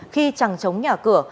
khi chẳng chống nhà cửa